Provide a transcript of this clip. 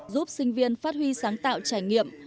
giúp sinh viên phát huy sáng tạo trải nghiệm